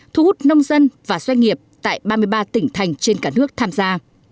thu hút nông dân và doanh nghiệp tại ba mươi ba tỉnh thành trên cả nước tham gia